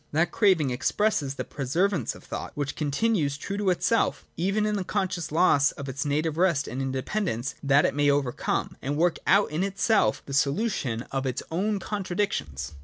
That craving expresses the persever ance of thought, which continues true to itself, even in this conscious loss of its native rest and independ ence, ' that it may overcome ' and work out in itself the solution of its own contradictions.